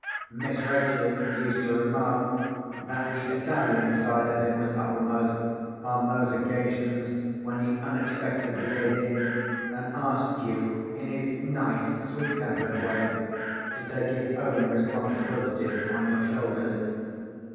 Miss Rachel used to remark that the Italian side of him was uppermost, on those occasions when he unexpectedly gave in, and asked you in his nice sweet tempered way to take his own responsibilities on your shoulders.